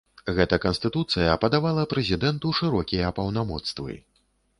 Гэта канстытуцыя падавала прэзідэнту шырокія паўнамоцтвы.